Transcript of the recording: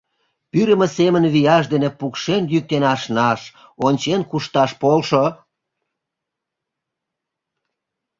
Пӱрымӧ семын вияш дене пукшен-йӱктен ашнаш, ончен кушташ полшо...